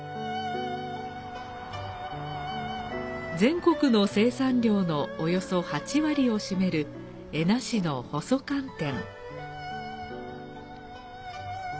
全国の生産量の約８割を占める恵那市の細寒天。